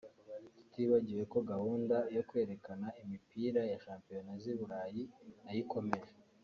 tutibagiwe ko ya gahunda yo kwerekana imipira ya shampiyona z’i Burayi nayo ikomeje